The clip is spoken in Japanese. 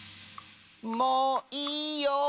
「もういいよ！